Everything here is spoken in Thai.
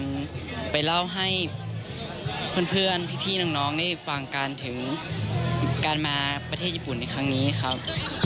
ไปเล่าให้เพื่อนพี่น้องได้ฟังกันถึงการมาประเทศญี่ปุ่นในครั้งนี้ครับ